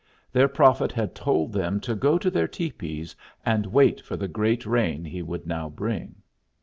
Their prophet had told them to go to their tepees and wait for the great rain he would now bring.